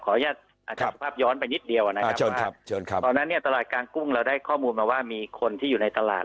ขออนุญาต์แบบโฮอลไปนิดเดียวในตลาดกางกุ้งเราได้ข้อมูลมาว่ามีคนที่อยู่ในตลาด